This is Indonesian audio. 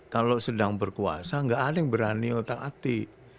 kalau sedang berkuasa gak ada yang berani otak atik